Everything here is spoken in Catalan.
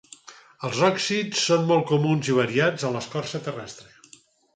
Els òxids són molt comuns i variats en l'escorça terrestre.